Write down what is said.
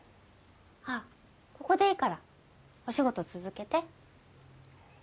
あっここでいいからお仕事続けて。